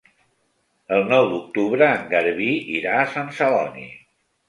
El nou d'octubre en Garbí irà a Sant Celoni.